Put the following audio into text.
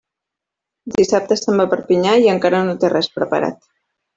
Dissabte se'n va a Perpinyà i encara no té res preparat.